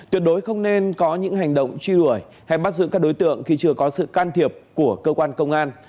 tuyệt đối không nên có những hành động truy đuổi hay bắt giữ các đối tượng khi chưa có sự can thiệp của cơ quan công an